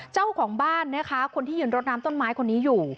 เจ้าของบ้านนะคะคนที่ยืนรดน้ำต้นไม้คนนี้อยู่